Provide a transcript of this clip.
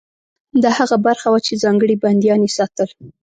دا هغه برخه وه چې ځانګړي بندیان یې ساتل.